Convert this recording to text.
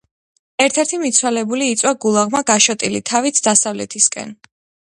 ერთ-ერთი მიცვალებული იწვა გულაღმა გაშოტილი, თავით დასავლეთისაკენ.